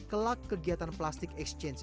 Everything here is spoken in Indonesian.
kelak kegiatan plastik exchange